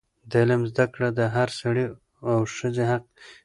د علم زده کړه د هر سړي او ښځې حق دی.